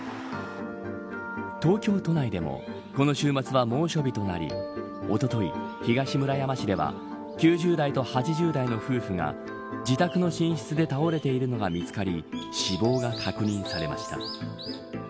東京都内でもこの週末は猛暑日となりおととい、東村山市では９０代と８０代の夫婦が自宅の寝室で倒れているのが見つかり死亡が確認されました。